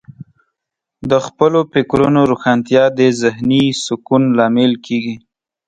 د خپلو فکرونو روښانتیا د ذهنې سکون لامل کیږي.